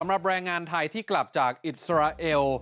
สำหรับแบรนด์งานไทยที่กลับจากอิสราเอล